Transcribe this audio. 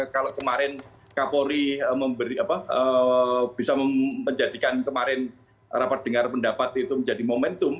kalau kemarin kapolri bisa menjadikan kemarin rapat dengar pendapat itu menjadi momentum